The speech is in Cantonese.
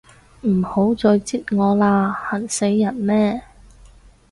唔好再擳我啦，痕死人咩